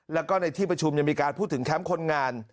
แล้วก็ในที่ประชุมยังมีการพูดถึงแคมป์คนงาน